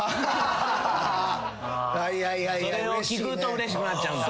それを聞くとうれしくなっちゃうんだ。